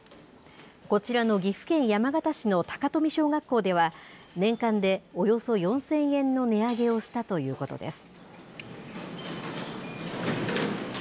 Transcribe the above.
こちらの岐阜県山県市の高富小学校では、年間でおよそ４０００円の値上げをしたということです。